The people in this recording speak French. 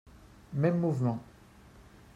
Mêmes mouvements.